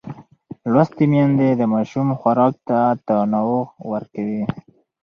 لوستې میندې د ماشوم خوراک ته تنوع ورکوي.